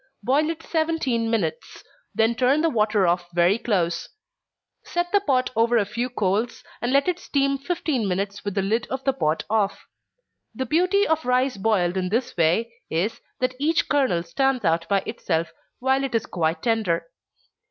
Boil it seventeen minutes; then turn the water off very close; set the pot over a few coals, and let it steam fifteen minutes with the lid of the pot off. The beauty of rice boiled in this way, is, that each kernel stands out by itself, while it is quite tender.